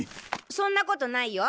そんなことないよ。